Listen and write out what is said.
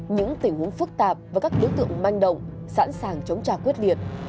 những tình huống phức tạp và các đối tượng manh động sẵn sàng chống trả quyết liệt